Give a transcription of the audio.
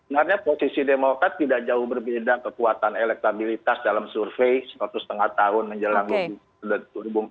karena posisi demokrat tidak jauh berbeda kekuatan elektabilitas dalam survei satu lima tahun menjelang dua ribu dua puluh empat dan dua ribu sembilan belas